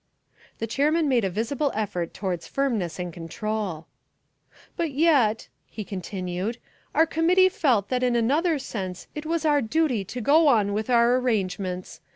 The chairman made a visible effort towards firmness and control. "But yet," he continued, "our committee felt that in another sense it was our duty to go on with our arrangements.